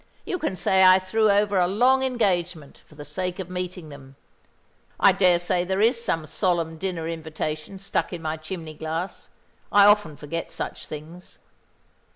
You can say I threw over a long engagement for the sake of meeting them. I dare say there is some solemn dinner invitation stuck in my chimney glass. I often forget such things."